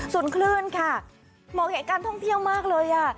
ส่วนคลื่นค่ะมองเห็นการท่องเที่ยวมากเลยอ่ะ